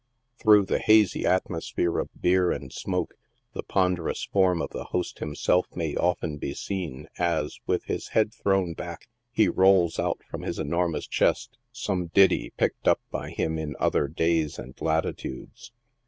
Through a hazy atmosphere of beer and smoke, the ponder ous form of the host himself may often be seen, as, with his head thrown back, he rolls out from his enormous chest some ditty pic ied up by him in other days and latitudes.